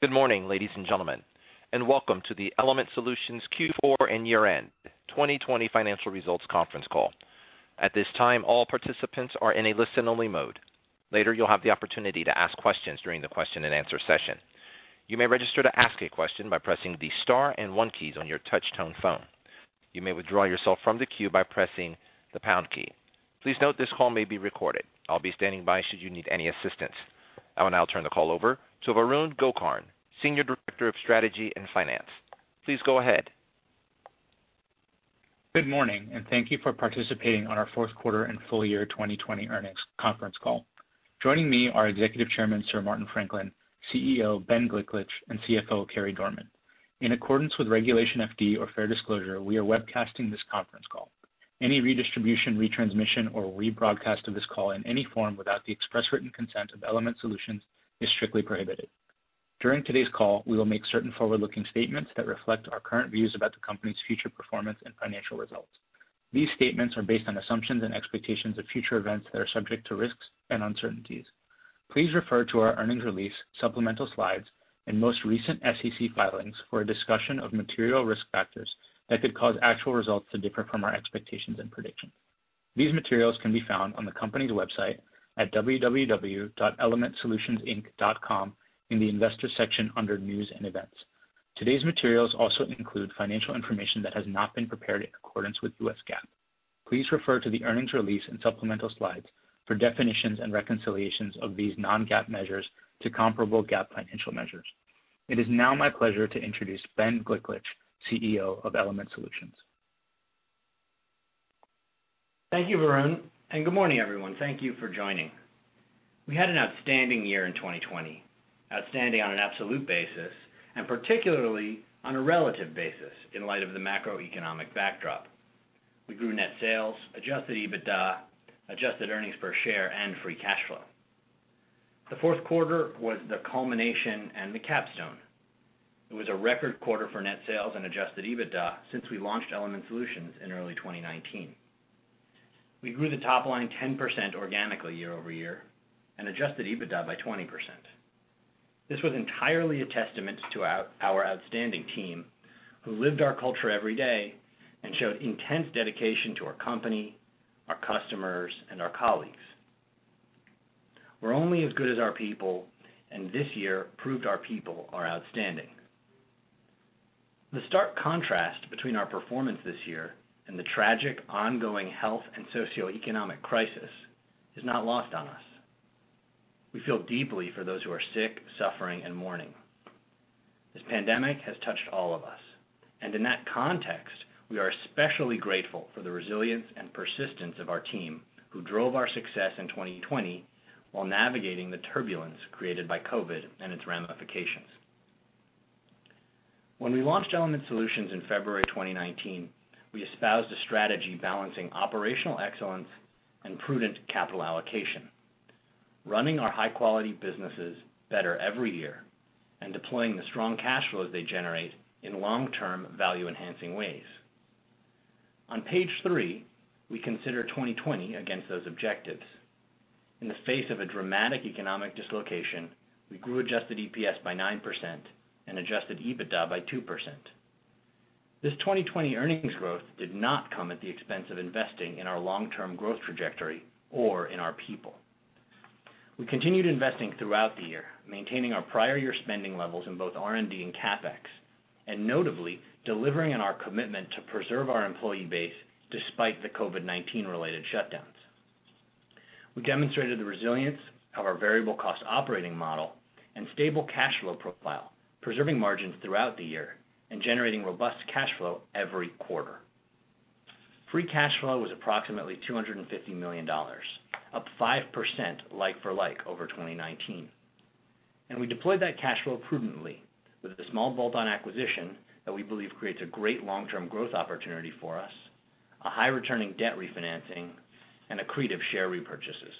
Good morning, ladies and gentlemen, and welcome to the Element Solutions Q4 and year-end 2020 financial results conference call. At this time, all participants are in a listen-only mode. Later you have the opportunity to ask questions during the question-and-answer session. You may register to ask a question by pressing the star and one key on your touch tone phone. You may withdraw yourself from the queue by pressing the pound key. Please note this call may be recorded. I'll be standing by should you need any assistance. I will now turn the call over to Varun Gokarn, Senior Director of Strategy and Finance. Please go ahead. Good morning, and thank you for participating on our fourth quarter and full year 2020 earnings conference call. Joining me are Executive Chairman, Martin Franklin, CEO Ben Gliklich, and CFO Carey Dorman. In accordance with Regulation FD or fair disclosure, we are webcasting this conference call. Any redistribution, retransmission, or rebroadcast of this call in any form without the express written consent of Element Solutions is strictly prohibited. During today's call, we will make certain forward-looking statements that reflect our current views about the company's future performance and financial results. These statements are based on assumptions and expectations of future events that are subject to risks and uncertainties. Please refer to our earnings release, supplemental slides, and most recent SEC filings for a discussion of material risk factors that could cause actual results to differ from our expectations and predictions. These materials can be found on the company's website at www.elementsolutionsinc.com in the Investors section under News & Events. Today's materials also include financial information that has not been prepared in accordance with US GAAP. Please refer to the earnings release and supplemental slides for definitions and reconciliations of these non-GAAP measures to comparable GAAP financial measures. It is now my pleasure to introduce Ben Gliklich, CEO of Element Solutions. Thank you, Varun, and good morning, everyone. Thank you for joining. We had an outstanding year in 2020, outstanding on an absolute basis, and particularly on a relative basis in light of the macroeconomic backdrop. We grew net sales, adjusted EBITDA, adjusted earnings per share, and free cash flow. The fourth quarter was the culmination and the capstone. It was a record quarter for net sales and adjusted EBITDA since we launched Element Solutions in early 2019. We grew the top line 10% organically year-over-year and adjusted EBITDA by 20%. This was entirely a testament to our outstanding team, who lived our culture every day and showed intense dedication to our company, our customers, and our colleagues. We're only as good as our people, and this year proved our people are outstanding. The stark contrast between our performance this year and the tragic ongoing health and socioeconomic crisis is not lost on us. We feel deeply for those who are sick, suffering, and mourning. This pandemic has touched all of us, and in that context, we are especially grateful for the resilience and persistence of our team, who drove our success in 2020 while navigating the turbulence created by COVID and its ramifications. When we launched Element Solutions in February 2019, we espoused a strategy balancing operational excellence and prudent capital allocation, running our high-quality businesses better every year and deploying the strong cash flows they generate in long-term value-enhancing ways. On page three, we consider 2020 against those objectives. In the face of a dramatic economic dislocation, we grew adjusted EPS by 9% and adjusted EBITDA by 2%. This 2020 earnings growth did not come at the expense of investing in our long-term growth trajectory or in our people. We continued investing throughout the year, maintaining our prior year spending levels in both R&D and CapEx, and notably delivering on our commitment to preserve our employee base despite the COVID-19 related shutdowns. We demonstrated the resilience of our variable cost operating model and stable cash flow profile, preserving margins throughout the year and generating robust cash flow every quarter. Free cash flow was approximately $250 million, up 5% like-for-like over 2019. And we deployed that cash flow prudently with a small bolt-on acquisition that we believe creates a great long-term growth opportunity for us, a high returning debt refinancing, and accretive share repurchases.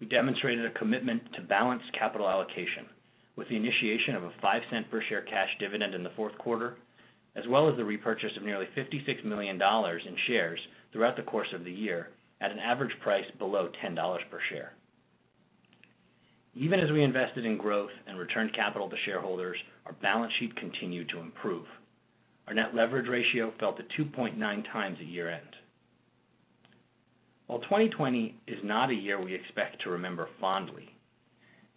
We demonstrated a commitment to balanced capital allocation with the initiation of a $0.05 per share cash dividend in the fourth quarter, as well as the repurchase of nearly $56 million in shares throughout the course of the year at an average price below $10 per share. Even as we invested in growth and returned capital to shareholders, our balance sheet continued to improve. Our net leverage ratio fell to 2.9x at year-end. While 2020 is not a year we expect to remember fondly,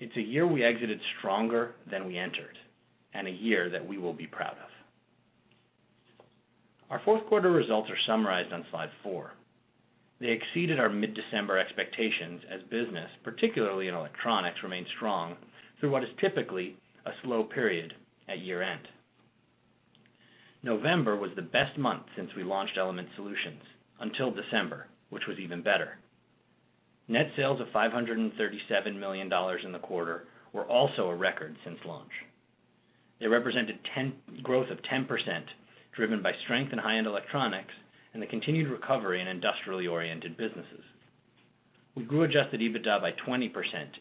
it's a year we exited stronger than we entered and a year that we will be proud of. Our fourth quarter results are summarized on slide four. They exceeded our mid-December expectations as business, particularly in electronics, remained strong through what is typically a slow period at year-end. November was the best month since we launched Element Solutions, until December, which was even better. Net sales of $537 million in the quarter were also a record since launch. They represented growth of 10%, driven by strength in high-end electronics and the continued recovery in industrially oriented businesses. We grew adjusted EBITDA by 20%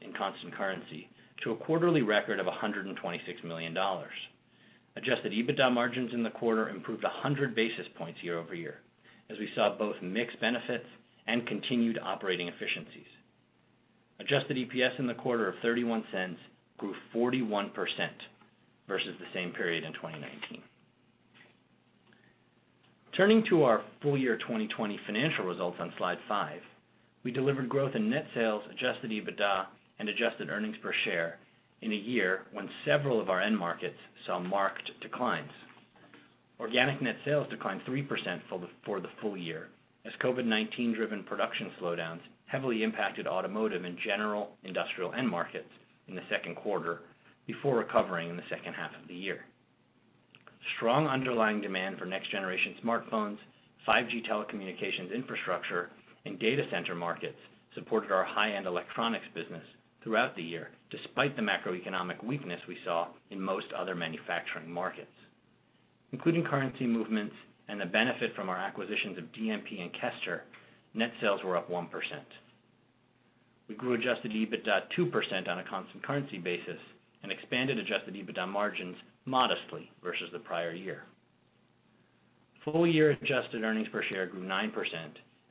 in constant currency to a quarterly record of $126 million. Adjusted EBITDA margins in the quarter improved 100 basis points year-over-year, as we saw both mix benefits and continued operating efficiencies. Adjusted EPS in the quarter of $0.31 grew 41% versus the same period in 2019. Turning to our full year 2020 financial results on slide five, we delivered growth in net sales, adjusted EBITDA, and adjusted earnings per share in a year when several of our end markets saw marked declines. Organic net sales declined 3% for the full year as COVID-19 driven production slowdowns heavily impacted automotive in general, industrial end markets in the second quarter, before recovering in the second half of the year. Strong underlying demand for next generation smartphones, 5G telecommunications infrastructure, and data center markets supported our high-end electronics business throughout the year, despite the macroeconomic weakness we saw in most other manufacturing markets. Including currency movements and the benefit from our acquisitions of DMP and Kester, net sales were up 1%. We grew adjusted EBITDA 2% on a constant currency basis and expanded adjusted EBITDA margins modestly versus the prior year. Full year adjusted earnings per share grew 9%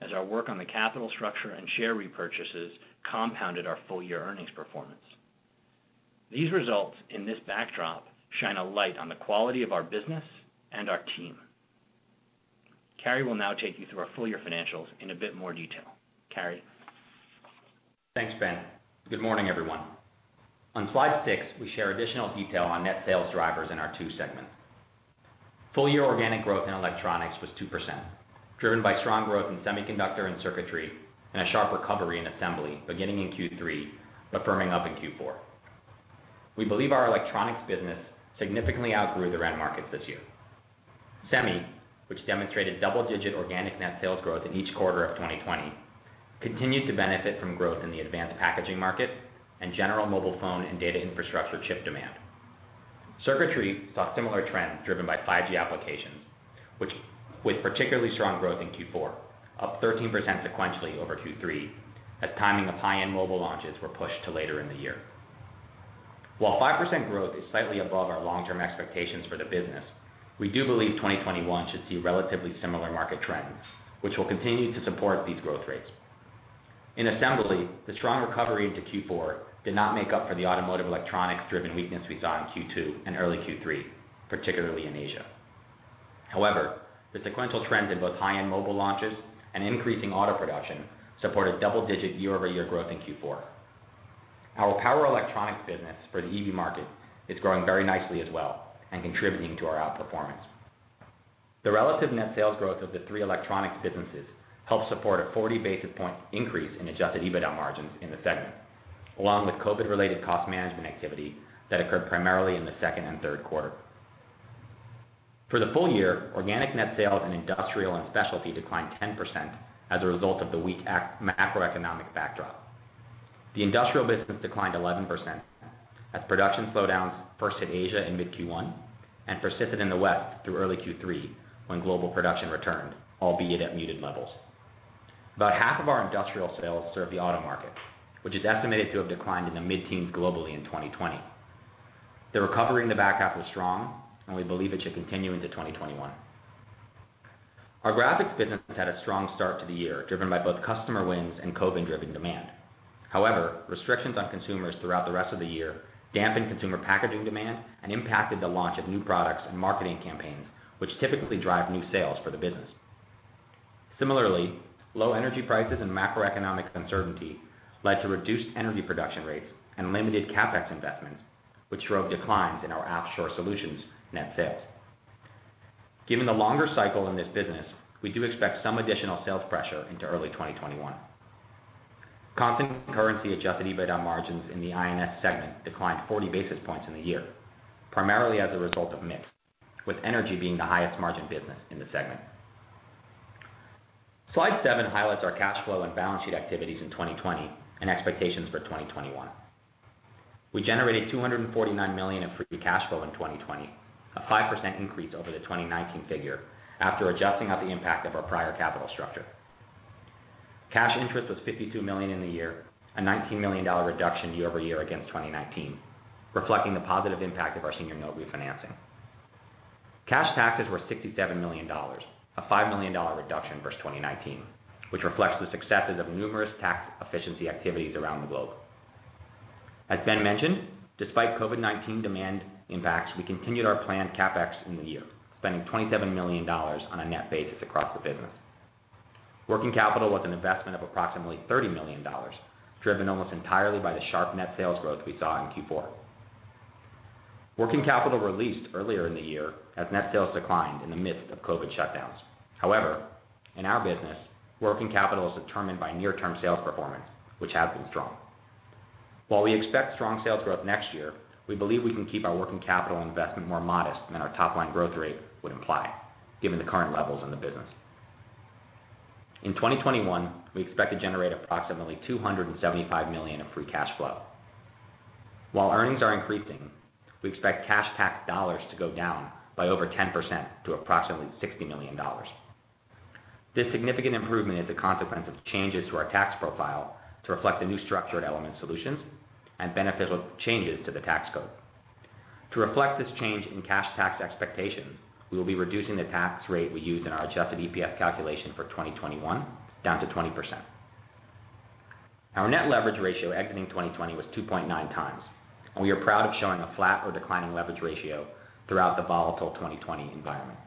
as our work on the capital structure and share repurchases compounded our full year earnings performance. These results in this backdrop shine a light on the quality of our business and our team. Carey will now take you through our full year financials in a bit more detail. Carey? Thanks, Ben. Good morning, everyone. On slide six, we share additional detail on net sales drivers in our two segments. Full year organic growth in electronics was 2%, driven by strong growth in semiconductor and circuitry, and a sharp recovery in assembly beginning in Q3, but firming up in Q4. We believe our electronics business significantly outgrew the end markets this year. Semi, which demonstrated double-digit organic net sales growth in each quarter of 2020, continued to benefit from growth in the advanced packaging market and general mobile phone and data infrastructure chip demand. Circuitry saw similar trends driven by 5G applications, with particularly strong growth in Q4, up 13% sequentially over Q3, as timing of high-end mobile launches were pushed to later in the year. While 5% growth is slightly above our long-term expectations for the business, we do believe 2021 should see relatively similar market trends, which will continue to support these growth rates. In assembly, the strong recovery into Q4 did not make up for the automotive electronics driven weakness we saw in Q2 and early Q3, particularly in Asia. However, the sequential trends in both high-end mobile launches and increasing auto production supported double-digit year-over-year growth in Q4. Our power electronics business for the EV market is growing very nicely as well and contributing to our outperformance. The relative net sales growth of the three electronics businesses helped support a 40 basis point increase in adjusted EBITDA margins in the segment, along with COVID related cost management activity that occurred primarily in the second and third quarter. For the full year, organic net sales in Industrial & Specialty declined 10% as a result of the weak macroeconomic backdrop. The industrial business declined 11% as production slowdowns first hit Asia in mid Q1 and persisted in the West through early Q3 when global production returned, albeit at muted levels. About half of our industrial sales serve the auto market, which is estimated to have declined in the mid-teens globally in 2020. The recovery in the back half was strong, and we believe it should continue into 2021. Our graphics business has had a strong start to the year, driven by both customer wins and COVID-driven demand. However, restrictions on consumers throughout the rest of the year dampened consumer packaging demand and impacted the launch of new products and marketing campaigns, which typically drive new sales for the business. Similarly, low energy prices and macroeconomic uncertainty led to reduced energy production rates and limited CapEx investments, which drove declines in our offshore solutions net sales. Given the longer cycle in this business, we do expect some additional sales pressure into early 2021. Constant currency adjusted EBITDA margins in the I&S segment declined 40 basis points in the year, primarily as a result of mix, with energy being the highest margin business in the segment. Slide seven highlights our cash flow and balance sheet activities in 2020 and expectations for 2021. We generated $249 million in free cash flow in 2020, a 5% increase over the 2019 figure, after adjusting out the impact of our prior capital structure. Cash interest was $52 million in the year, a $19 million reduction year-over-year against 2019, reflecting the positive impact of our senior note refinancing. Cash taxes were $67 million, a $5 million reduction versus 2019, which reflects the successes of numerous tax efficiency activities around the globe. As Ben mentioned, despite COVID-19 demand impacts, we continued our planned CapEx in the year, spending $27 million on a net basis across the business. Working capital was an investment of approximately $30 million, driven almost entirely by the sharp net sales growth we saw in Q4. Working capital released earlier in the year as net sales declined in the midst of COVID shutdowns. However, in our business, working capital is determined by near-term sales performance, which has been strong. While we expect strong sales growth next year, we believe we can keep our working capital investment more modest than our top-line growth rate would imply, given the current levels in the business. In 2021, we expect to generate approximately $275 million of free cash flow. While earnings are increasing, we expect cash tax dollars to go down by over 10% to approximately $60 million. This significant improvement is a consequence of changes to our tax profile to reflect the new structure at Element Solutions and beneficial changes to the tax code. To reflect this change in cash tax expectations, we will be reducing the tax rate we use in our adjusted EPS calculation for 2021 down to 20%. Our net leverage ratio exiting 2020 was 2.9x, and we are proud of showing a flat or declining leverage ratio throughout the volatile 2020 environment.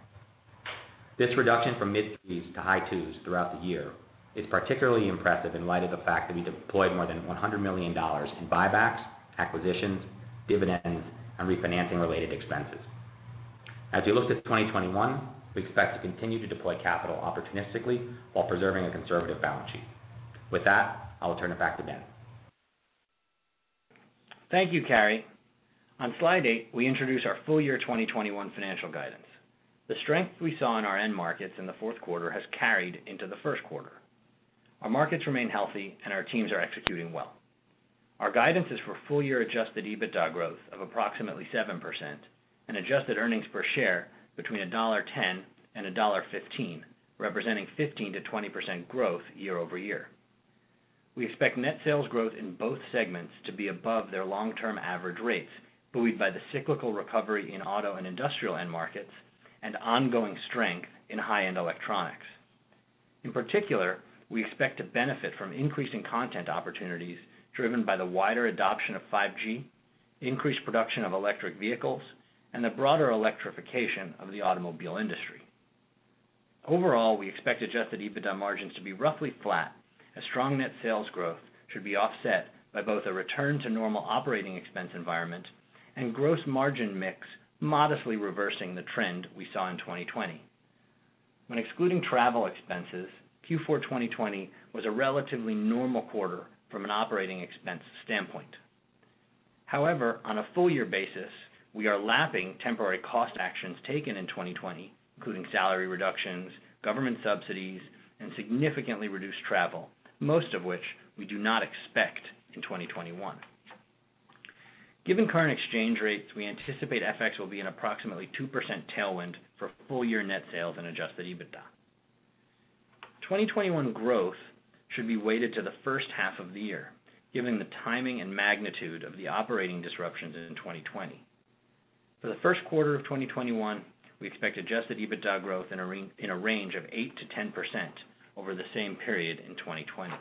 This reduction from mid-twos to high twos throughout the year is particularly impressive in light of the fact that we deployed more than $100 million in buybacks, acquisitions, dividends, and refinancing related expenses. As we look to 2021, we expect to continue to deploy capital opportunistically while preserving a conservative balance sheet. With that, I will turn it back to Ben. Thank you, Carey. On slide eight, we introduce our full year 2021 financial guidance. The strength we saw in our end markets in the fourth quarter has carried into the first quarter. Our markets remain healthy, and our teams are executing well. Our guidance is for full year adjusted EBITDA growth of approximately 7% and adjusted earnings per share between $1.10 and $1.15, representing 15%-20% growth year-over-year. We expect net sales growth in both segments to be above their long-term average rates, buoyed by the cyclical recovery in auto and industrial end markets and ongoing strength in high-end electronics. In particular, we expect to benefit from increasing content opportunities driven by the wider adoption of 5G, increased production of electric vehicles, and the broader electrification of the automobile industry. Overall, we expect adjusted EBITDA margins to be roughly flat as strong net sales growth should be offset by both a return to normal operating expense environment and gross margin mix modestly reversing the trend we saw in 2020. When excluding travel expenses, Q4 2020 was a relatively normal quarter from an operating expense standpoint. However, on a full year basis, we are lapping temporary cost actions taken in 2020, including salary reductions, government subsidies, and significantly reduced travel, most of which we do not expect in 2021. Given current exchange rates, we anticipate FX will be an approximately 2% tailwind for full year net sales and adjusted EBITDA. 2021 growth should be weighted to the first half of the year, given the timing and magnitude of the operating disruptions in 2020. For the first quarter of 2021, we expect adjusted EBITDA growth in a range of 8%-10% over the same period in 2020.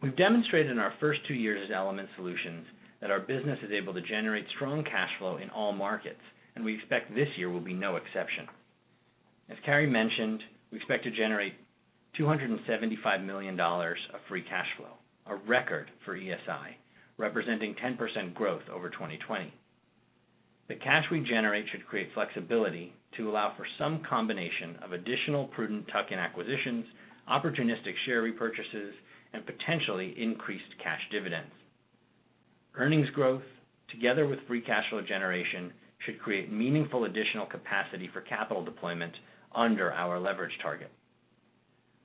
We've demonstrated in our first two years as Element Solutions that our business is able to generate strong cash flow in all markets, and we expect this year will be no exception. As Carey mentioned, we expect to generate $275 million of free cash flow, a record for ESI, representing 10% growth over 2020. The cash we generate should create flexibility to allow for some combination of additional prudent tuck-in acquisitions, opportunistic share repurchases, and potentially increased cash dividends. Earnings growth, together with free cash flow generation, should create meaningful additional capacity for capital deployment under our leverage target.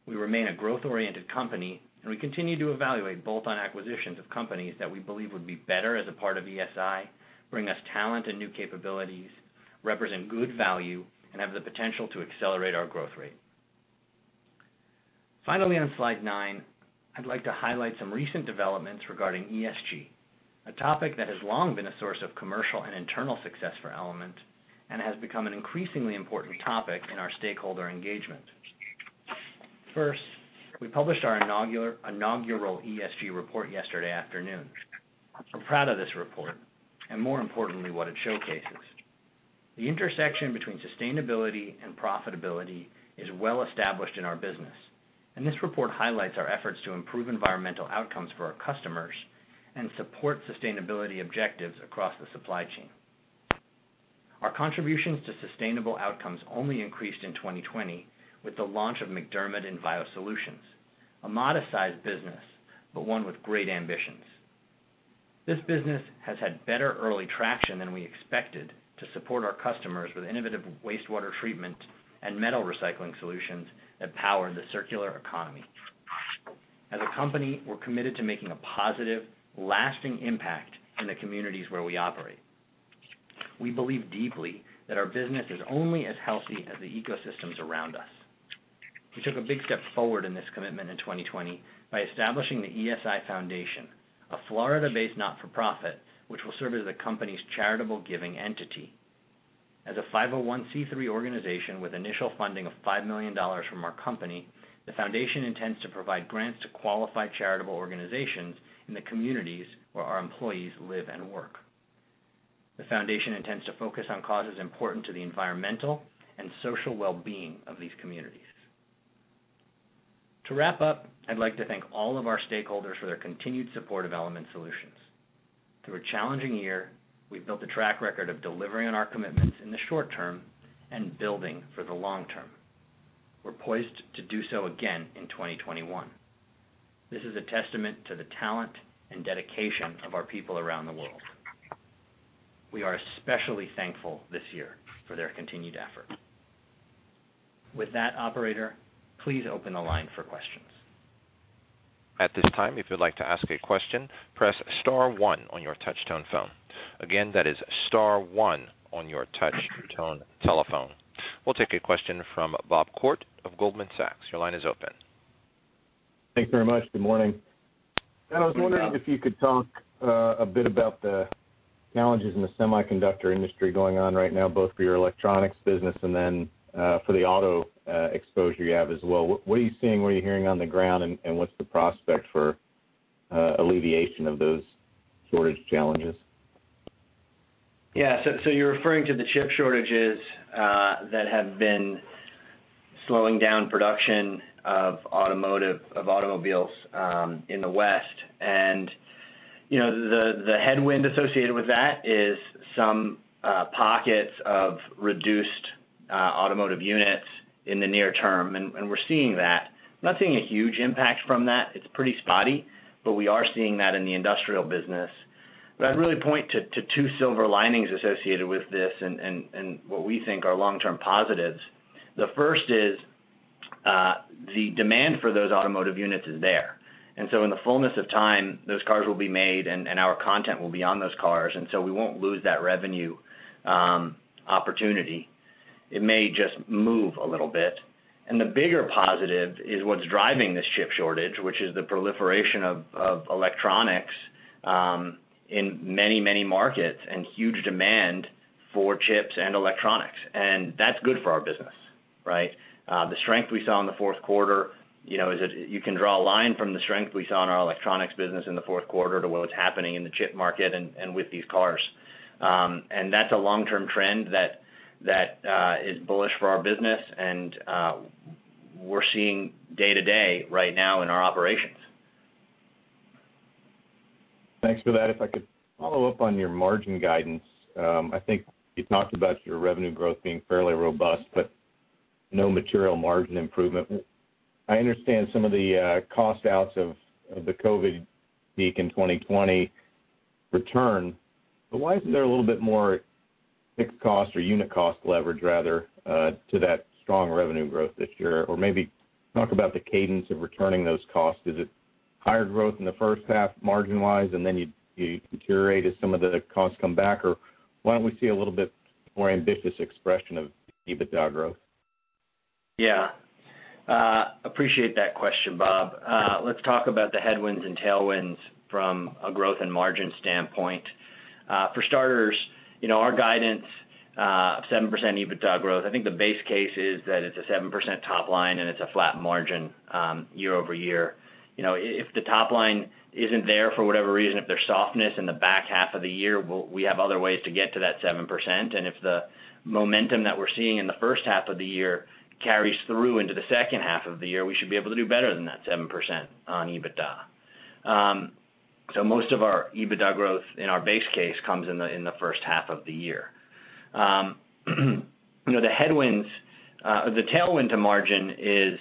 We remain a growth-oriented company. We continue to evaluate bolt-on acquisitions of companies that we believe would be better as a part of ESI, bring us talent and new capabilities, represent good value, and have the potential to accelerate our growth rate. Finally, on slide nine, I'd like to highlight some recent developments regarding ESG, a topic that has long been a source of commercial and internal success for Element and has become an increasingly important topic in our stakeholder engagement. First, we published our inaugural ESG report yesterday afternoon. We're proud of this report and more importantly, what it showcases. The intersection between sustainability and profitability is well established in our business. This report highlights our efforts to improve environmental outcomes for our customers and support sustainability objectives across the supply chain. Our contributions to sustainable outcomes only increased in 2020 with the launch of MacDermid Envio Solutions, a modest-sized business, but one with great ambitions. This business has had better early traction than we expected to support our customers with innovative wastewater treatment and metal recycling solutions that power the circular economy. As a company, we're committed to making a positive, lasting impact in the communities where we operate. We believe deeply that our business is only as healthy as the ecosystems around us. We took a big step forward in this commitment in 2020 by establishing the Element Solutions Foundation, a Florida-based not-for-profit which will serve as the company's charitable giving entity. As a 501(c)(3) organization with initial funding of $5 million from our company, the foundation intends to provide grants to qualify charitable organizations in the communities where our employees live and work. The Foundation intends to focus on causes important to the environmental and social well-being of these communities. To wrap up, I'd like to thank all of our stakeholders for their continued support of Element Solutions. Through a challenging year, we've built a track record of delivering on our commitments in the short term and building for the long term. We're poised to do so again in 2021. This is a testament to the talent and dedication of our people around the world. We are especially thankful this year for their continued efforts. With that, Operator, please open the line for questions. At this time, if you'd like to ask a question, press star one on your touch-tone phone. Again, that is star one on your touch-tone telephone. We'll take a question from Bob Koort of Goldman Sachs. Your line is open. Thanks very much. Good morning. Good morning, Bob. I was wondering if you could talk a bit about the challenges in the semiconductor industry going on right now, both for your electronics business and then for the auto exposure you have as well. What are you seeing, what are you hearing on the ground, and what's the prospect for alleviation of those shortage challenges? Yeah. You're referring to the chip shortages that have been slowing down production of automotive, automobiles in the West. The headwind associated with that is some pockets of reduced automotive units in the near term, and we're seeing that. Not seeing a huge impact from that. It's pretty spotty, but we are seeing that in the industrial business. I'd really point to two silver linings associated with this and what we think are long-term positives. The first is the demand for those automotive units is there. And so in the fullness of time, those cars will be made, and our content will be on those cars. We won't lose that revenue opportunity. It may just move a little bit. And the bigger positive is what's driving this chip shortage, which is the proliferation of electronics in many markets and huge demand for chips and electronics. And that's good for our business, right? The strength we saw in the fourth quarter is, you can draw a line from the strength we saw in our electronics business in the fourth quarter to what's happening in the chip market and with these cars. And that's a long-term trend that is bullish for our business and we're seeing day to day right now in our operations. Thanks for that. If I could follow up on your margin guidance. I think you talked about your revenue growth being fairly robust, but no material margin improvement. I understand some of the cost outs of the COVID-19 peak in 2020 return, but why isn't there a little bit more fixed cost or unit cost leverage, rather, to that strong revenue growth this year? Maybe talk about the cadence of returning those costs. Is it higher growth in the first half margin-wise and then you deteriorate as some of the costs come back? Why don't we see a little bit more ambitious expression of EBITDA growth? Yeah. Appreciate that question, Bob. Let's talk about the headwinds and tailwinds from a growth and margin standpoint. For starters, our guidance of 7% EBITDA growth, I think the base case is that it's a 7% top line and it's a flat margin year-over-year. If the top line isn't there for whatever reason, if there's softness in the back half of the year, we have other ways to get to that 7%. If the momentum that we're seeing in the first half of the year carries through into the second half of the year, we should be able to do better than that 7% on EBITDA. Most of our EBITDA growth in our base case comes in the first half of the year. The headwinds, the tailwind to margin is,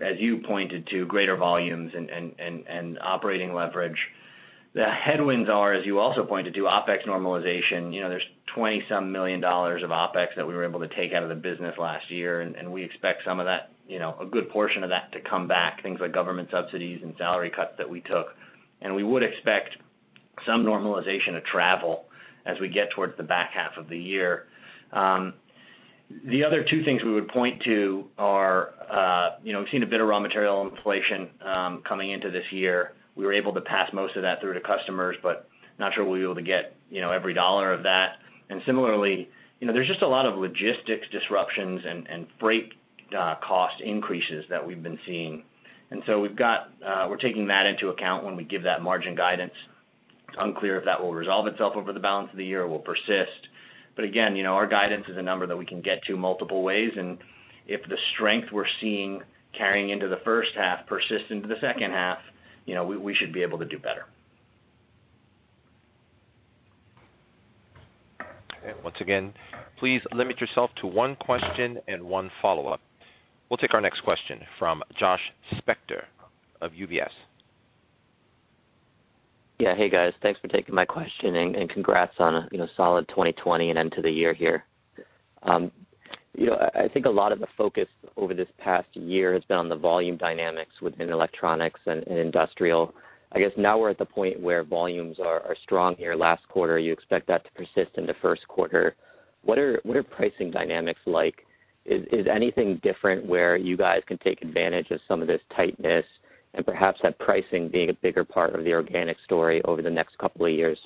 as you pointed to, greater volumes and operating leverage. The headwinds are, as you also pointed to, OpEx normalization. There's $20-some million of OpEx that we were able to take out of the business last year. And we expect a good portion of that to come back, things like government subsidies and salary cuts that we took. We would expect some normalization of travel as we get towards the back half of the year. The other two things we would point to are, we've seen a bit of raw material inflation coming into this year. We were able to pass most of that through to customers, but not sure we'll be able to get every dollar of that. Similarly, there's just a lot of logistics disruptions and freight cost increases that we've been seeing. We're taking that into account when we give that margin guidance. It's unclear if that will resolve itself over the balance of the year or will persist. But again, our guidance is a number that we can get to multiple ways, and if the strength we're seeing carrying into the first half persists into the second half, we should be able to do better. And once again, please limit yourself to one question and one follow-up. We will take our next question from Josh Spector of UBS. Yeah. Hey, guys. Thanks for taking my question, and congrats on a solid 2020 and end to the year here. I think a lot of the focus over this past year has been on the volume dynamics within electronics and industrial. I guess now we're at the point where volumes are strong here last quarter. You expect that to persist in the first quarter. What are pricing dynamics like? Is anything different where you guys can take advantage of some of this tightness, and perhaps that pricing being a bigger part of the organic story over the next couple of years?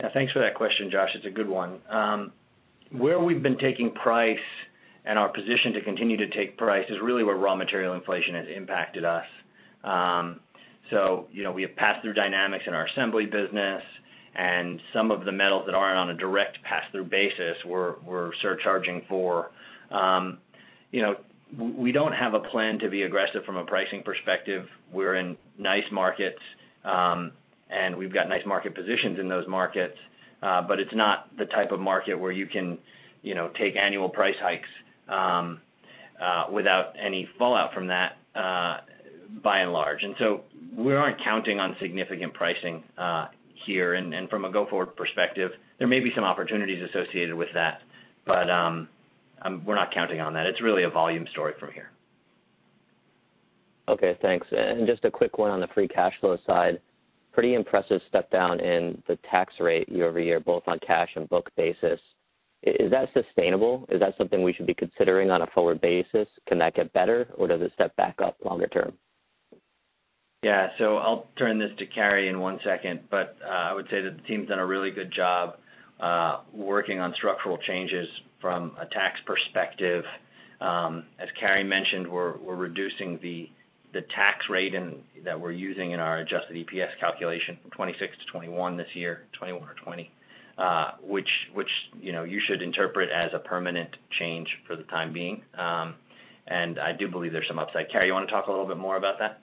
Yeah. Thanks for that question, Josh. It's a good one. Where we've been taking price and our position to continue to take price is really where raw material inflation has impacted us. We have pass-through dynamics in our assembly business, and some of the metals that aren't on a direct pass-through basis, we're surcharging for. We don't have a plan to be aggressive from a pricing perspective. We're in nice markets, and we've got nice market positions in those markets. It's not the type of market where you can take annual price hikes without any fallout from that. By and large. We aren't counting on significant pricing here. From a go-forward perspective, there may be some opportunities associated with that, but we're not counting on that. It's really a volume story from here. Okay, thanks. Just a quick one on the free cash flow side. Pretty impressive step down in the tax rate year-over-year, both on cash and book basis. Is that sustainable? Is that something we should be considering on a forward basis? Can that get better, or does it step back up longer term? Yeah. I'll turn this to Carey in one second, but I would say that the team's done a really good job working on structural changes from a tax perspective. As Carey mentioned, we're reducing the tax rate that we're using in our adjusted EPS calculation from 26 to 21 this year, 21 or 20, which you should interpret as a permanent change for the time being. I do believe there's some upside. Carey, you want to talk a little bit more about that?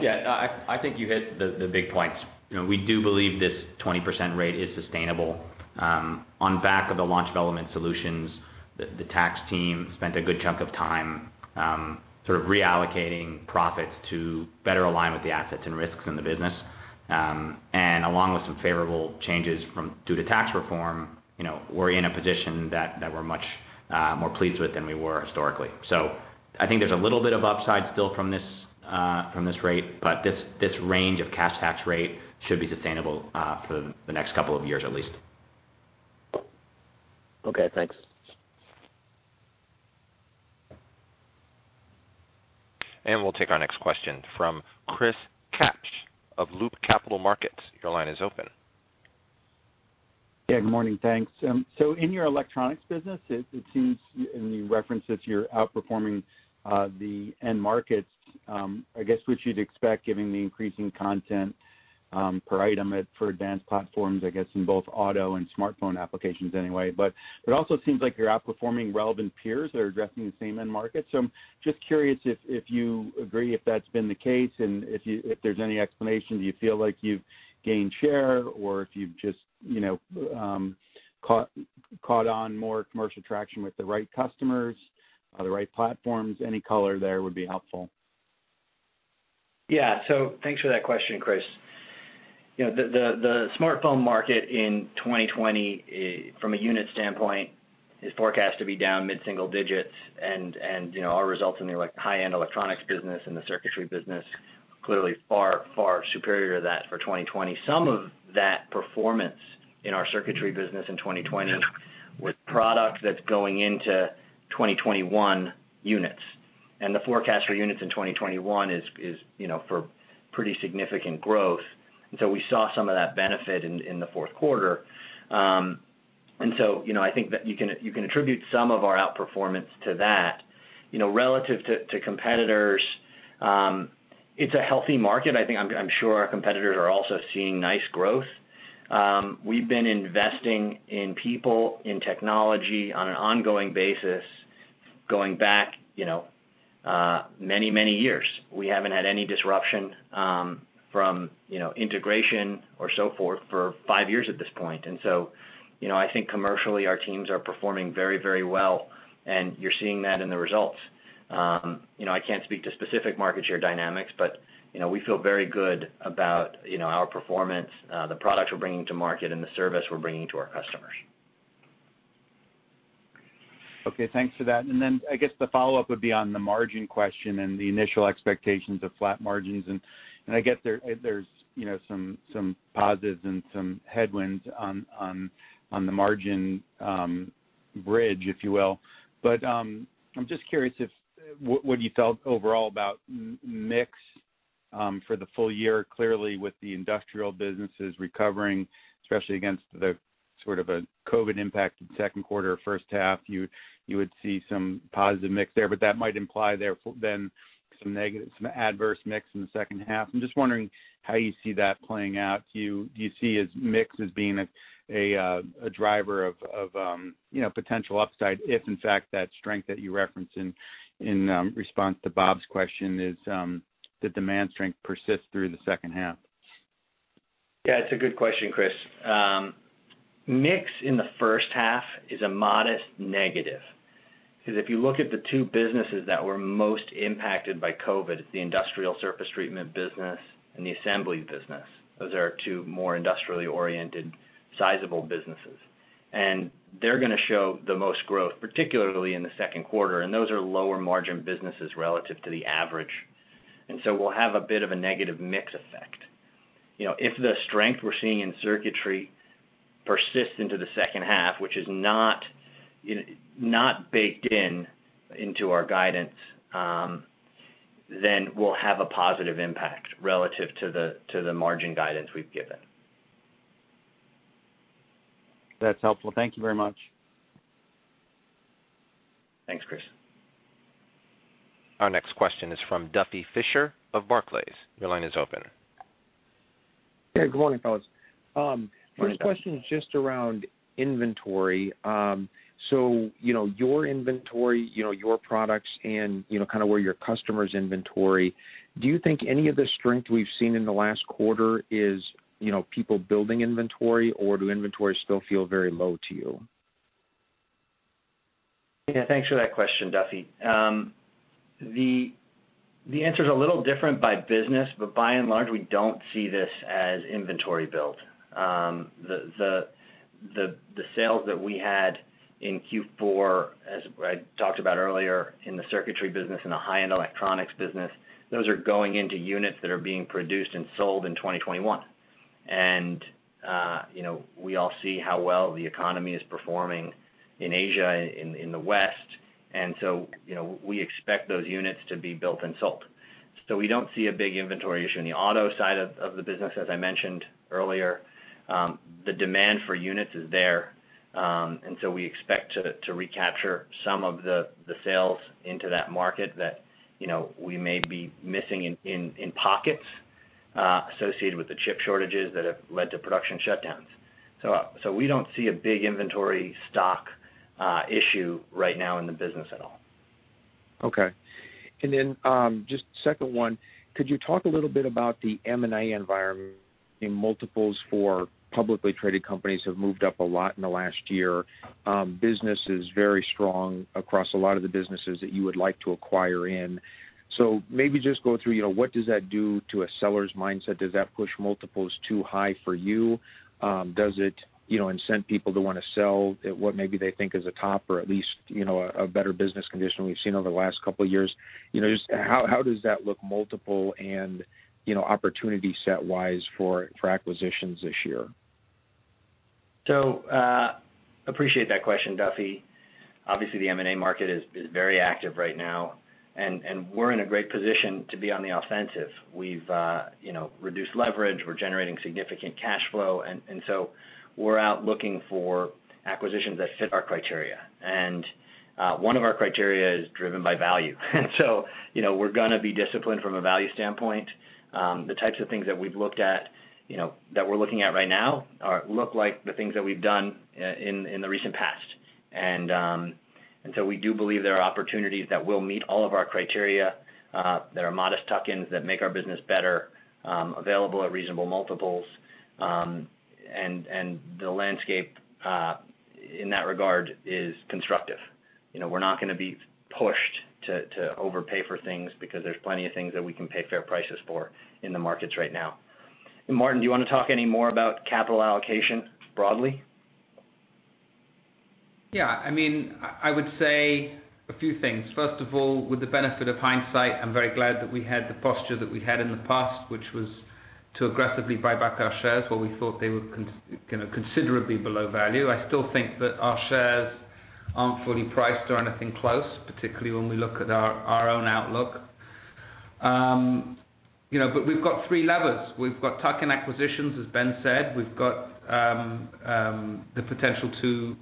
Yeah. I think you hit the big points. We do believe this 20% rate is sustainable. On the back of the launch of Element Solutions, the tax team spent a good chunk of time reallocating profits to better align with the assets and risks in the business. And along with some favorable changes due to tax reform, we're in a position that we're much more pleased with than we were historically. I think there's a little bit of upside still from this rate, but this range of cash tax rate should be sustainable for the next couple of years at least. Okay, thanks. And we'll take our next question from Chris Kapsch of Loop Capital Markets. Your line is open. Yeah, good morning. Thanks. In your electronics business, it seems, and you referenced this, you're outperforming the end markets, I guess what you'd expect, given the increasing content per item for advanced platforms, I guess in both auto and smartphone applications anyway. But it also seems like you're outperforming relevant peers that are addressing the same end market. I'm just curious if you agree, if that's been the case, and if there's any explanation. Do you feel like you've gained share or if you've just caught on more commercial traction with the right customers or the right platforms? Any color there would be helpful. Yeah. Thanks for that question, Chris. The smartphone market in 2020, from a unit standpoint, is forecast to be down mid-single digits. Our results in the high-end electronics business and the circuitry business clearly far superior to that for 2020. Some of that performance in our circuitry business in 2020 was product that's going into 2021 units. And the forecast for units in 2021 is for pretty significant growth. We saw some of that benefit in the fourth quarter. I think that you can attribute some of our outperformance to that. Relative to competitors, it's a healthy market. I'm sure our competitors are also seeing nice growth. We've been investing in people, in technology on an ongoing basis, going back many years. We haven't had any disruption from integration or so forth for five years at this point. I think commercially, our teams are performing very well, and you're seeing that in the results. I can't speak to specific market share dynamics, but we feel very good about our performance, the products we're bringing to market, and the service we're bringing to our customers. Okay, thanks for that. Then I guess the follow-up would be on the margin question and the initial expectations of flat margins. I get there's some positives and some headwinds on the margin bridge, if you will. But I'm just curious what you felt overall about mix for the full year. Clearly, with the industrial businesses recovering, especially against the sort of a COVID-19 impacted second quarter, first half, you would see some positive mix there. That might imply then some adverse mix in the second half. I'm just wondering how you see that playing out. Do you see mix as being a driver of potential upside, if in fact, that strength that you referenced in response to Bob's question is the demand strength persists through the second half? Yeah, it's a good question, Chris. Mix in the first half is a modest negative, because if you look at the two businesses that were most impacted by COVID, it's the industrial surface treatment business and the assembly business. Those are our two more industrially oriented sizable businesses, and they're going to show the most growth, particularly in the second quarter, and those are lower margin businesses relative to the average. We'll have a bit of a negative mix effect. If the strength we're seeing in circuitry persists into the second half, which is not baked in into our guidance, then we'll have a positive impact relative to the margin guidance we've given. That's helpful. Thank you very much. Thanks, Chris. Our next question is from Duffy Fischer of Barclays. Your line is open. Yeah, good morning, fellas. Morning, Duff. First question is just around inventory. Your inventory, your products, and kind of where your customers' inventory, do you think any of the strength we've seen in the last quarter is people building inventory, or do inventory still feel very low to you? Thanks for that question, Duffy. The answer is a little different by business, but by and large, we don't see this as inventory build. The sales that we had in Q4, as I talked about earlier, in the circuitry business, in the high-end electronics business, those are going into units that are being produced and sold in 2021. We all see how well the economy is performing in Asia, in the West. We expect those units to be built and sold. We don't see a big inventory issue. In the auto side of the business, as I mentioned earlier, the demand for units is there. We expect to recapture some of the sales into that market that we may be missing in pockets associated with the chip shortages that have led to production shutdowns. We don't see a big inventory stock issue right now in the business at all. Okay. And then, just second one, could you talk a little bit about the M&A environment in multiples for publicly traded companies have moved up a lot in the last year. Business is very strong across a lot of the businesses that you would like to acquire in. Maybe just go through, what does that do to a seller's mindset? Does that push multiples too high for you? Does it incent people to want to sell at what maybe they think is a top or at least a better business condition we've seen over the last couple of years? Just how does that look multiple and opportunity set wise for acquisitions this year? Appreciate that question, Duffy. Obviously, the M&A market is very active right now, and we're in a great position to be on the offensive. We've reduced leverage. We're generating significant cash flow. We're out looking for acquisitions that fit our criteria. One of our criteria is driven by value. We're going to be disciplined from a value standpoint. The types of things that we're looking at right now look like the things that we've done in the recent past. We do believe there are opportunities that will meet all of our criteria, that are modest tuck-ins that make our business better, available at reasonable multiples. The landscape, in that regard, is constructive. We're not going to be pushed to overpay for things because there's plenty of things that we can pay fair prices for in the markets right now. Martin, do you want to talk any more about capital allocation broadly? Yeah, I mean, I would say a few things. First of all, with the benefit of hindsight, I'm very glad that we had the posture that we had in the past, which was to aggressively buy back our shares where we thought they were considerably below value. I still think that our shares aren't fully priced or anything close, particularly when we look at our own outlook. We've got three levers. We've got tuck-in acquisitions, as Ben said. We've got the potential to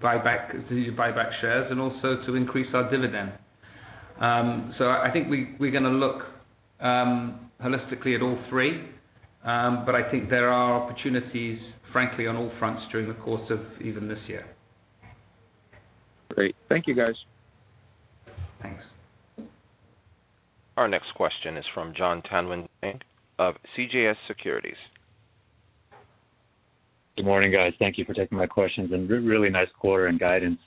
buy back shares and also to increase our dividend. I think we're going to look holistically at all three. But I think there are opportunities, frankly, on all fronts during the course of even this year. Great. Thank you, guys. Thanks. Our next question is from Jon Tanwanteng of CJS Securities. Good morning, guys. Thank you for taking my questions, and really nice quarter and guidance.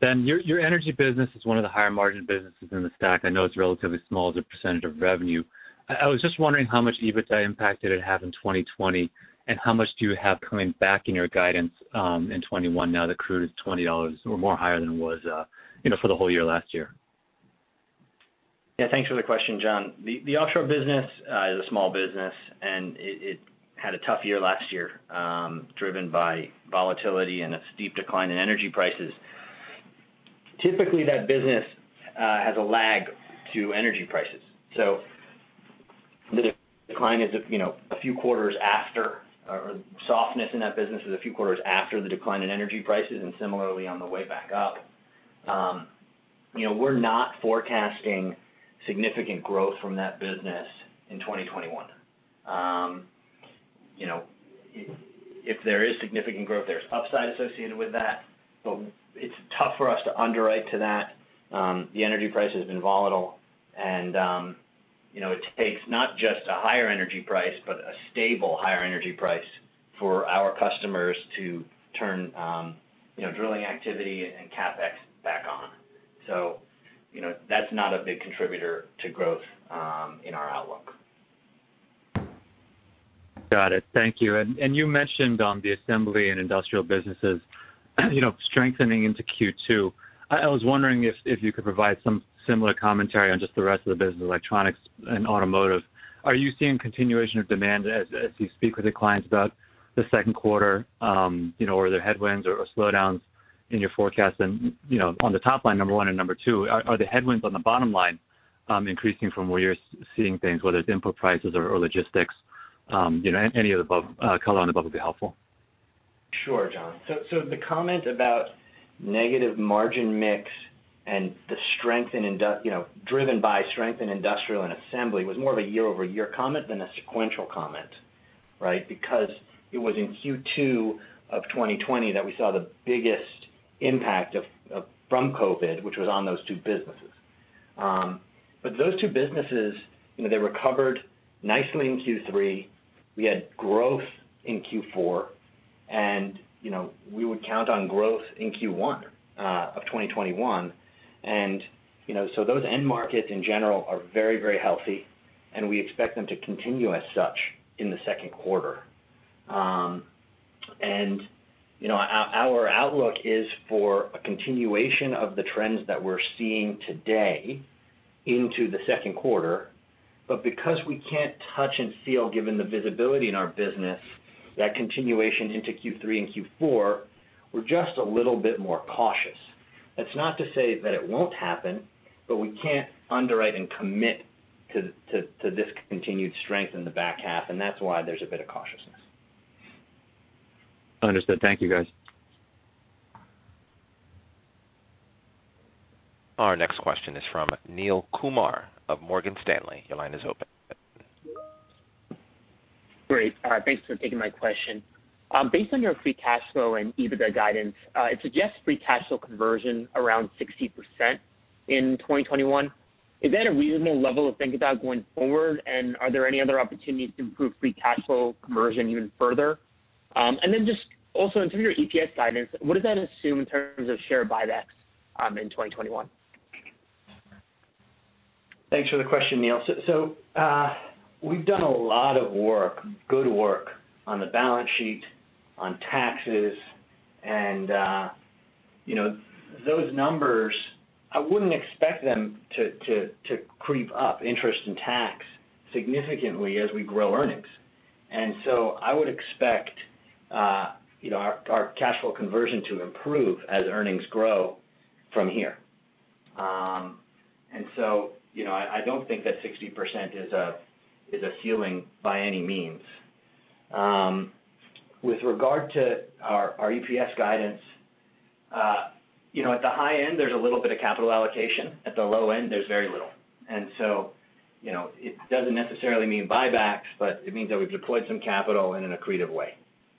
Ben, your energy business is one of the higher margin businesses in the stack. I know it's relatively small as a percentage of revenue. I was just wondering how much EBITDA impact did it have in 2020, and how much do you have coming back in your guidance in 2021 now that crude is $20 or more higher than it was for the whole year last year? Yeah, thanks for the question, Jon. The offshore business is a small business, and it had a tough year last year, driven by volatility and a steep decline in energy prices. Typically, that business has a lag to energy prices. The decline is a few quarters after, or softness in that business is a few quarters after the decline in energy prices, and similarly on the way back up. We're not forecasting significant growth from that business in 2021. If there is significant growth, there's upside associated with that, but it's tough for us to underwrite to that. The energy price has been volatile, and it takes not just a higher energy price, but a stable higher energy price for our customers to turn drilling activity and CapEx back on. That's not a big contributor to growth in our outlook. Got it. Thank you. And you mentioned on the assembly and industrial businesses strengthening into Q2. I was wondering if you could provide some similar commentary on just the rest of the business, electronics and automotive. Are you seeing continuation of demand as you speak with your clients about the second quarter? Are there headwinds or slowdowns in your forecast and on the top line, number one and number two, are the headwinds on the bottom line increasing from where you're seeing things, whether it's input prices or logistics? Any of the above, color on the above would be helpful. Sure, Jon. The comment about negative margin mix and driven by strength in industrial and assembly was more of a year-over-year comment than a sequential comment, right? Because it was in Q2 of 2020 that we saw the biggest impact from COVID-19, which was on those two businesses. But those two businesses, they recovered nicely in Q3. We had growth in Q4, and we would count on growth in Q1 of 2021. Those end markets in general are very, very healthy, and we expect them to continue as such in the second quarter. Our outlook is for a continuation of the trends that we're seeing today into the second quarter. But because we can't touch and feel, given the visibility in our business, that continuation into Q3 and Q4, we're just a little bit more cautious. That's not to say that it won't happen, but we can't underwrite and commit to this continued strength in the back half, and that's why there's a bit of cautiousness. Understood. Thank you, guys. Our next question is from Neel Kumar of Morgan Stanley. Your line is open. Great. Thanks for taking my question. Based on your free cash flow and EBITDA guidance, it suggests free cash flow conversion around 60% in 2021. Is that a reasonable level to think about going forward? Are there any other opportunities to improve free cash flow conversion even further? And then just also in terms of your EPS guidance, what does that assume in terms of share buybacks in 2021? Thanks for the question, Neel. We've done a lot of work, good work on the balance sheet, on taxes. Those numbers, I wouldn't expect them to creep up, interest and tax, significantly as we grow earnings. I would expect our cash flow conversion to improve as earnings grow from here. I don't think that 60% is a ceiling by any means. With regard to our EPS guidance, you know, the high end, there's a little bit of capital allocation. At the low end, there's very little. It doesn't necessarily mean buybacks, but it means that we've deployed some capital in an accretive way.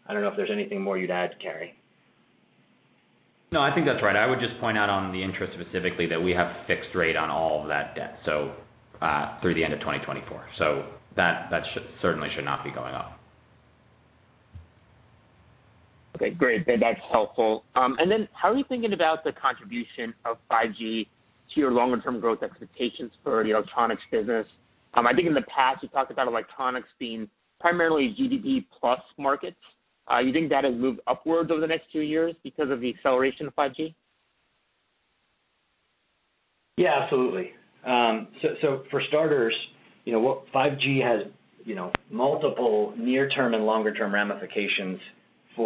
I don't know if there's anything more you'd add, Carey. No, I think that's right. I would just point out on the interest specifically that we have fixed rate on all of that debt, through the end of 2024. That certainly should not be going up. Okay, great. That's helpful. And then how are you thinking about the contribution of 5G to your longer-term growth expectations for the electronics business? I think in the past you've talked about electronics being primarily GDP plus markets. You think that has moved upwards over the next two years because of the acceleration of 5G? Yeah, absolutely. For starters, 5G has multiple near-term and longer-term ramifications for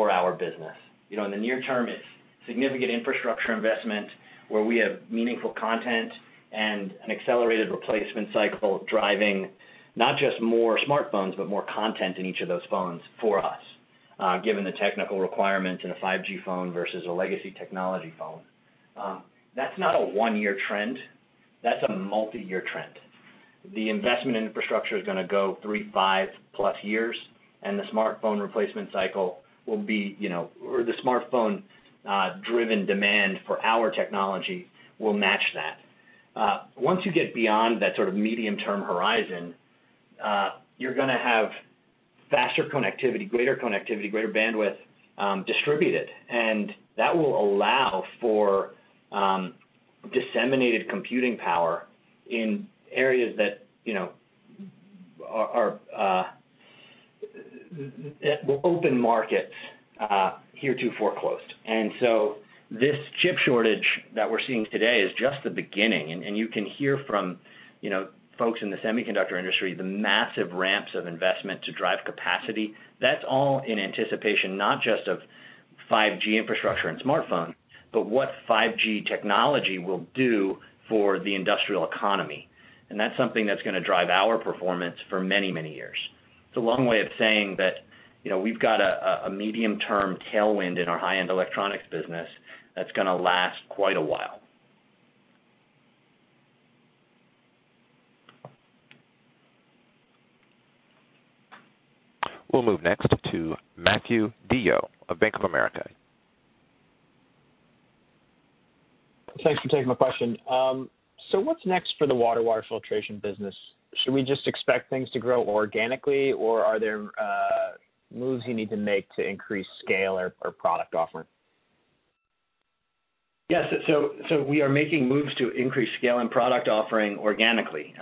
our business. In the near term, it's significant infrastructure investment where we have meaningful content and an accelerated replacement cycle driving not just more smartphones, but more content in each of those phones for us, given the technical requirements in a 5G phone versus a legacy technology phone. That's not a one-year trend. That's a multi-year trend. The investment infrastructure is going to go three, 5+ years, and the smartphone replacement cycle will be, you know, or the smartphone-driven demand for our technology will match that. Once you get beyond that sort of medium-term horizon, you're gonna have faster connectivity, greater connectivity, greater bandwidth distributed, and that will allow for disseminated computing power in areas that are open markets heretofore closed. This chip shortage that we're seeing today is just the beginning, and you can hear from folks in the semiconductor industry, the massive ramps of investment to drive capacity. That's all in anticipation, not just of 5G infrastructure and smartphone, but what 5G technology will do for the industrial economy. And that's something that's going to drive our performance for many, many years. It's a long way of saying that we've got a medium-term tailwind in our high-end electronics business that's gonna last quite a while. We'll move next to Matthew DeYoe of Bank of America. Thanks for taking my question. What's next for the wastewater filtration business? Should we just expect things to grow organically, or are there moves you need to make to increase scale or product offering? Yes. We are making moves to increase scale and product offering organically.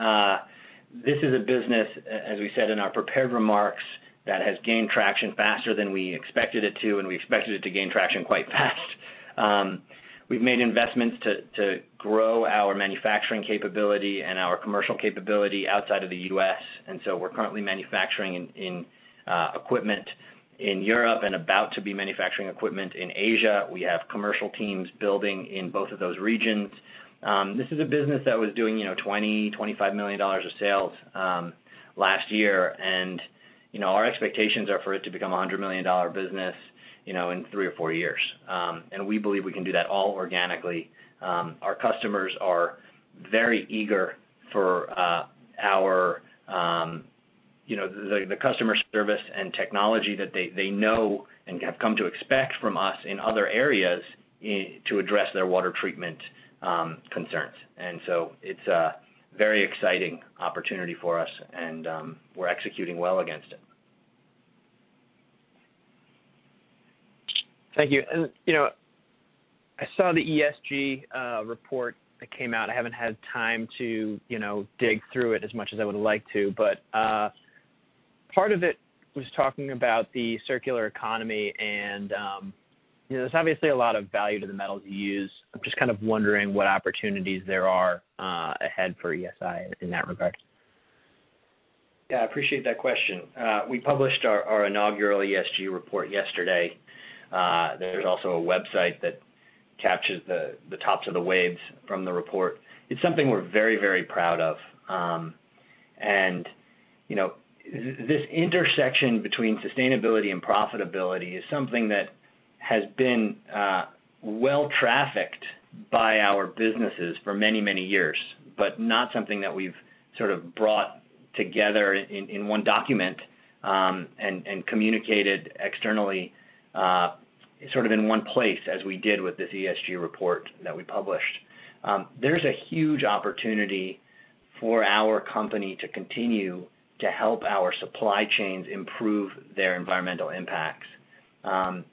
This is a business, as we said in our prepared remarks, that has gained traction faster than we expected it to, and we expected it to gain traction quite fast. We've made investments to grow our manufacturing capability and our commercial capability outside of the U.S. We're currently manufacturing equipment in Europe and about to be manufacturing equipment in Asia. We have commercial teams building in both of those regions. This is a business that was doing $20 million-$25 million of sales last year. Our expectations are for it to become a $100 million business in three or four years. And we believe we can do that all organically. Our customers are very eager for our, the customer service and technology that they know and have come to expect from us in other areas to address their water treatment concerns. It's a very exciting opportunity for us, and we're executing well against it. Thank you. I saw the ESG report that came out. I haven't had time to dig through it as much as I would like to, but part of it was talking about the circular economy, and there's obviously a lot of value to the metals you use. I'm just kind of wondering what opportunities there are ahead for ESI in that regard. Yeah, I appreciate that question. We published our inaugural ESG report yesterday. There's also a website that captures the tops of the waves from the report. It's something we're very proud of. This intersection between sustainability and profitability is something that has been well trafficked by our businesses for many years, but not something that we've sort of brought together in one document, and communicated externally sort of in one place, as we did with this ESG report that we published. There's a huge opportunity for our company to continue to help our supply chains improve their environmental impacts. And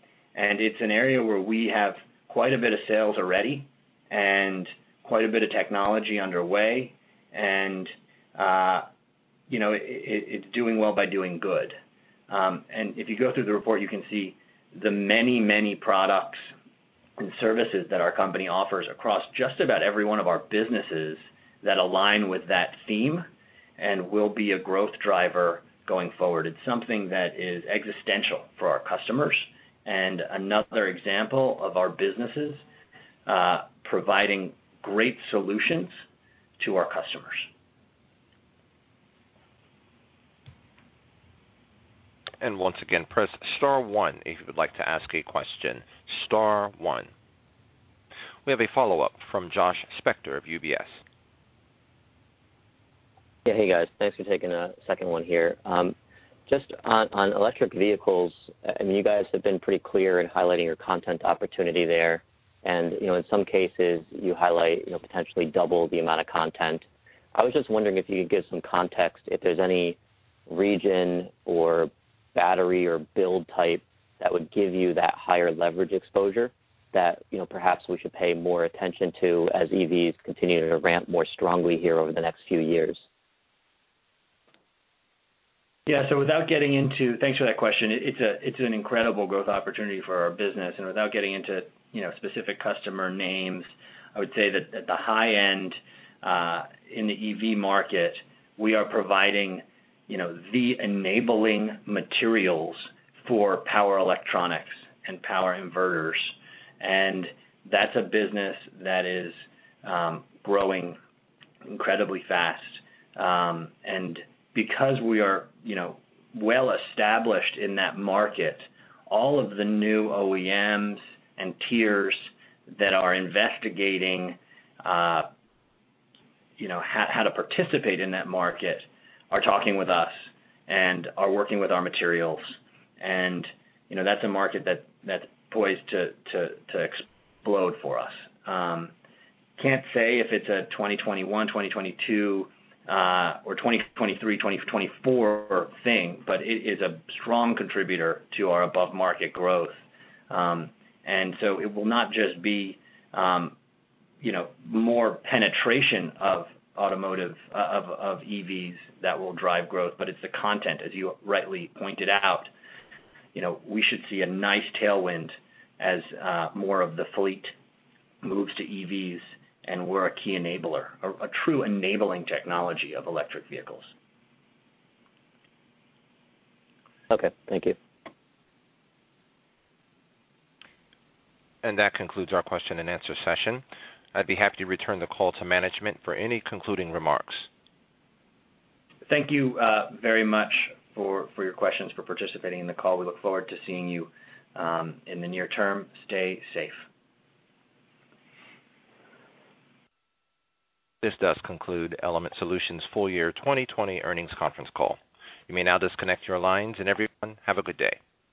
it's an area where we have quite a bit of sales already and quite a bit of technology underway, and it's doing well by doing good. If you go through the report, you can see the many products and services that our company offers across just about every one of our businesses that align with that theme and will be a growth driver going forward. It's something that is existential for our customers and another example of our businesses providing great solutions to our customers. And once again, press star one if you would like to ask a question. Star one. We have a follow-up from Josh Spector of UBS. Yeah. Hey, guys. Thanks for taking a second one here. Just on electric vehicles, and you guys have been pretty clear in highlighting your content opportunity there, and in some cases, you highlight potentially double the amount of content. I was just wondering if you could give some context if there's any region or battery or build type that would give you that higher leverage exposure that perhaps we should pay more attention to as EVs continue to ramp more strongly here over the next few years. Yeah. So without getting into, thanks for that question. It's an incredible growth opportunity for our business. Without getting into specific customer names, I would say that at the high end, in the EV market, we are providing the enabling materials for power electronics and power inverters, and that's a business that is growing incredibly fast. Because we are well established in that market, all of the new OEMs and tiers that are investigating how to participate in that market are talking with us and are working with our materials, and that's a market that's poised to explode for us. Can't say if it's a 2021, 2022, or 2023, 2024 thing, but it is a strong contributor to our above-market growth. So it will not just be more penetration of EVs that will drive growth, but it's the content, as you rightly pointed out. We should see a nice tailwind as more of the fleet moves to EVs, and we're a key enabler, a true enabling technology of electric vehicles. Okay. Thank you. And that concludes our question-and-answer session. I'd be happy to return the call to management for any concluding remarks. Thank you very much for your questions, for participating in the call. We look forward to seeing you in the near term. Stay safe. This does conclude Element Solutions' full year 2020 earnings conference call. You may now disconnect your lines, and everyone, have a good day.